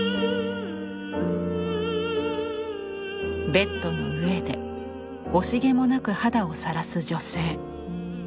ベッドの上で惜しげもなく肌をさらす女性。